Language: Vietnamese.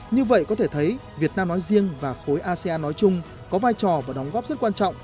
như vậy có thể thấy việt nam nói riêng và khối asean nói chung có vai trò và đóng góp rất quan trọng